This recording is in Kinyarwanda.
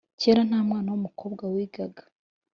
Cyera ntamwana wumukobwa wigaga